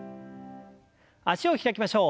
脚を開きましょう。